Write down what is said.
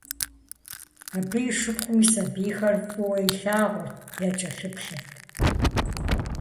Абы и шыпхъум и сабийхэр фӀыуэ илъагъурт, якӀэлъыплъырт.